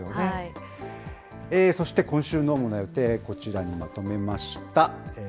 そして、今週の主な予定、こちらにまとめました。